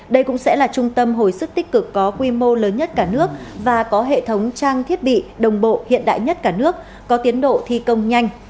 đây cũng sẽ là trung tâm hồi sức tích cực có quy mô lớn nhất cả nước và có hệ thống trang thiết bị đồng bộ hiện đại nhất cả nước có tiến độ thi công nhanh